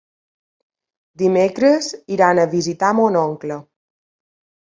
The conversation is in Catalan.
Dimecres iran a visitar mon oncle.